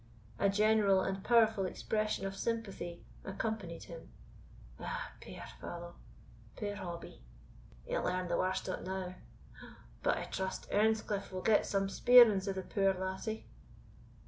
A general and powerful expression of sympathy accompanied him. "Ah, puir fallow puir Hobbie!" "He'll learn the warst o't now!" "But I trust Earnscliff will get some speerings o' the puir lassie."